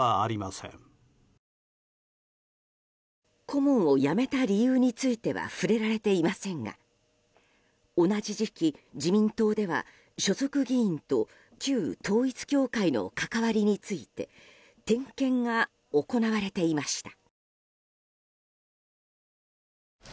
顧問を辞めた理由については触れられていませんが同じ時期、自民党では所属議員と旧統一教会の関わりについて点検が行われていました。